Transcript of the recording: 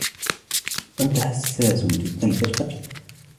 أنت حساس جدا للضجيج.